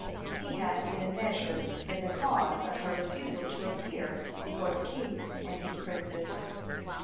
He had in a measure been the cause of her refusal to appear before the king and his princes.